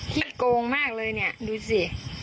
ที่โกงมากเลยเนี่ยดูสิ